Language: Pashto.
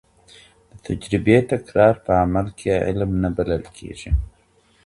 د تجربې تکرار په عمل کي علم نه بلل کیږي.